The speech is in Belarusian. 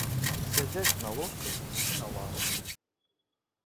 Сядзяць на ложках і на лавах.